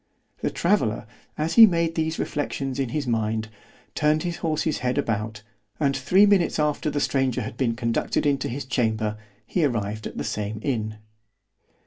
The traveller, as he made these reflections in his mind, turned his horse's head about, and three minutes after the stranger had been conducted into his chamber, he arrived at the same inn.